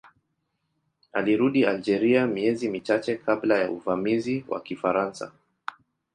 Alirudi Algeria miezi michache kabla ya uvamizi wa Kifaransa.